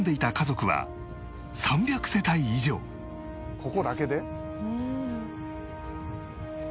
「ここだけで？」